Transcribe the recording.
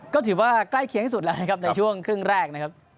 ก็ถือว่าใกล้เคียงที่สุดแล้วนะครับในช่วงครึ่งแรกนะครับ